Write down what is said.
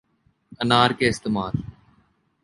انار کے استعمال